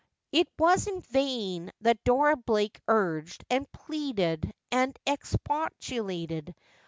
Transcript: It was in vain that Dora Blake urged, and pleaded, and ex postulated.